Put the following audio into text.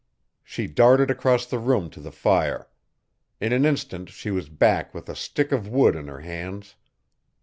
She darted across the room to the fire. In an instant she was back with a stick of wood in her hands.